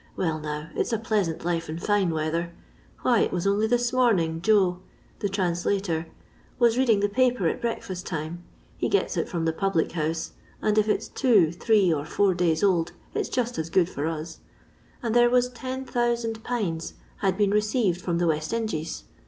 Well, now, it 's a pleasant life in fine weather. Why it was only this morning Joe (the translator) was reading the paper at breakfast time ;— he gets it from the public house, and if it 's two, three, or four day's old, it 's just as good for us ;— and there was 10,000 pines had been received from the West Ingees.